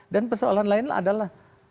dan persoalan lain adalah